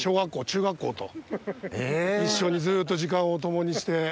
一緒にずっと時間を共にして。